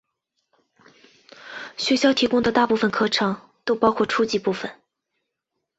学校提供的大部分课程都包括初级部分。